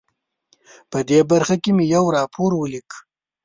په دې برخه کې مې یو راپور ولیک.